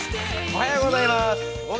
おはようございます。